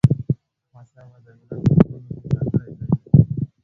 احمدشاه بابا د ملت په زړونو کې ځانګړی ځای لري.